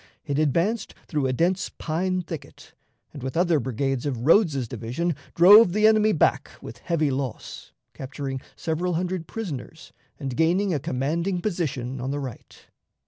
It advanced through a dense pine thicket, and, with other brigades of Rodes's division, drove the enemy back with heavy loss, capturing several hundred prisoners and gaining a commanding position on the right.